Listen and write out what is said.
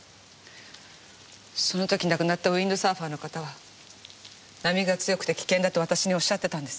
その時亡くなったウインドサーファーの方は波が強くて危険だと私におっしゃってたんです。